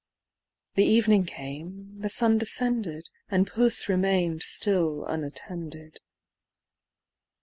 The evening came, the sun descended, And Puss remain'd still unattended.